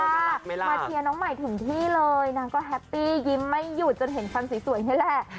เปิดสัตวินซามาเทียน้องใหม่ถึงที่เลยนางก็แฮปปี้ยิ้มไม่หยุดจนเห็นฟันสีสวยนี่แหละ